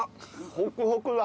ホクホクだ。